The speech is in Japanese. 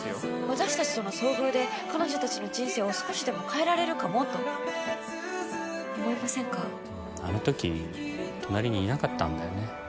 私達との遭遇で彼女たちの人生を少しでも変えられるかもと思いませんかあのとき隣にいなかったんだよね